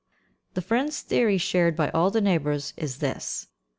The friend's theory, shared by all the neighbours, is this.